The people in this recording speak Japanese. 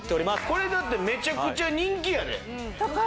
これだってめちゃくちゃ人気やで。